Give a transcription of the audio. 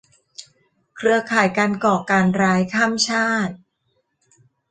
เครือข่ายการก่อการร้ายข้ามชาติ